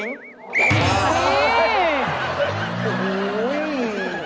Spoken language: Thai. นี่